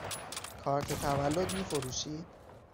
کارت تولد می فروشید؟